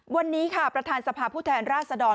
วันนี้ค่ะประธานสภาพผู้แทนราชดร